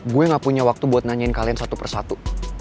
gue gak punya waktu buat nanyain kalian satu persatu